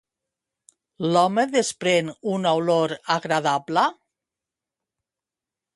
L'home desprèn una olor agradable?